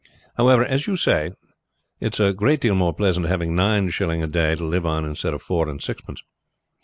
However, as you say, it is a great deal more pleasant having nine shilling a day to live on instead of four and sixpence.